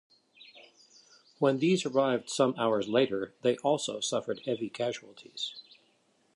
When these arrived some hours later they also suffered heavy casualties.